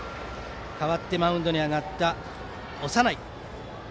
代わってマウンドに上がった長内。